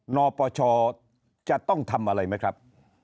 นปชจะต้องทำอะไรไหมครับ